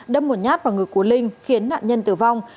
đâm một nhát vào người của linh khiến nạn nhân tử vong